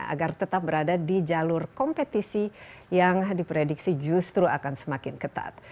agar tetap berada di jalur kompetisi yang diprediksi justru akan semakin ketat